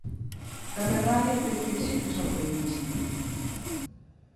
Dáme rabia ter que dicir que son feminista.